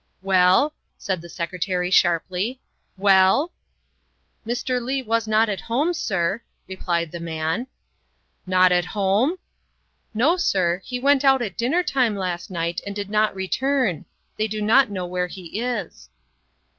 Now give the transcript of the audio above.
" Well?" said the Secretary sharply, " well?" '' Mr. Leigh was not at home, sir, '' replied the man. " Not at home?" " No, sir. He went out at dinner time last night and did not return. They do not know where he is."